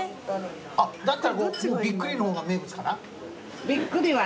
だったらびっくりの方が名物かな？